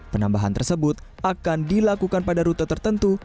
penambahan tersebut akan dilakukan pada rute tertentu